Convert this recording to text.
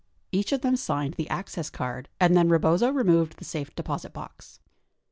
Each of them signed the access card and then Rebozo removed the safe deposit box.